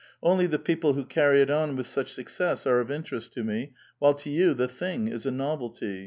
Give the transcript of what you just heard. Only the people who carry it on with such success are of interest to me, while to you the thing is a novelty.